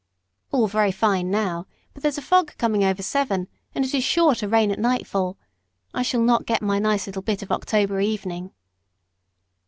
"All very fine now, but there's a fog coming over Severn; and it is sure to rain at nightfall. I shall not get my nice little bit of October evening."